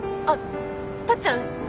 あっタッちゃん